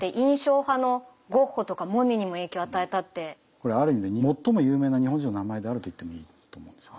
これある意味で最も有名な日本人の名前であると言ってもいいと思うんですよ。